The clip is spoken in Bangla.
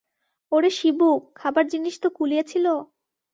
ওরে শিবু, খাবার জিনিস তো কুলিয়েছিল?